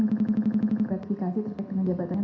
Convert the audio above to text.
kekretifikasi terkait dengan jabatannya